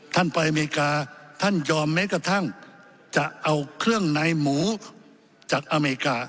ท่านไปอเมริกาท่านยอมแม้กระทั่งจะเอาเครื่องในหมูจากอเมริกา